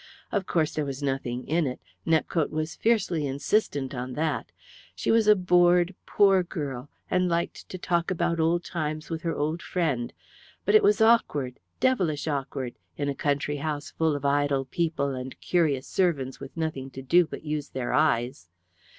Of course there was nothing in it Nepcote was fiercely insistent on that she was bored, poor girl, and liked to talk about old times with her old friend, but it was awkward, devilish awkward, in a country house full of idle people and curious servants with nothing to do but use their eyes.